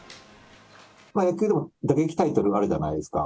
野球でも打撃タイトルがあるじゃないですか。